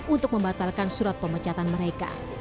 untuk membatalkan surat pemecatan mereka